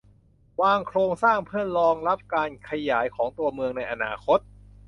วางโครงสร้างเพื่อรองรับการขยายตัวของเมืองในอนาคต